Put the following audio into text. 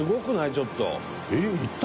ちょっと。